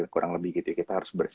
kurang lebih gitu kita harus